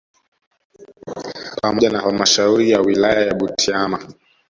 Pamoja na halmashauri ya wilaya ya Butiama